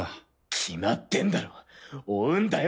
決まってんだろう追うんだよ